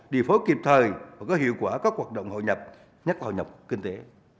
điều phối kịp thời và có hiệu quả các hoạt động hội nhập nhắc hội nhập kinh tế